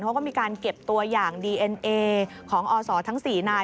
เขาก็มีการเก็บตัวอย่างดีเอ็นเอของอศทั้ง๔นาย